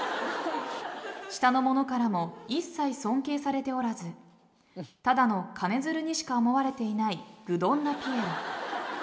下の者からも一切尊敬されておらずただの金づるにしか思われていない愚鈍なピエロ。